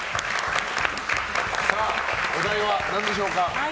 お題は何でしょうか？